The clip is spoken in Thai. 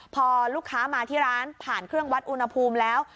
พอลูกค้ามาที่ร้านผ่านเครื่องวัดอุณหภูมิแล้ว